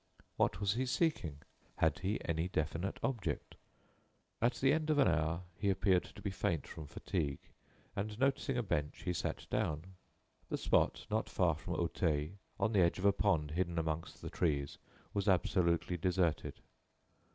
What was he seeking? Had he any definite object? At the end of an hour, he appeared to be faint from fatigue, and, noticing a bench, he sat down. The spot, not far from Auteuil, on the edge of a pond hidden amongst the trees, was absolutely deserted.